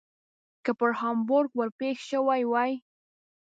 که پر هامبورګ ور پیښ شوي وای.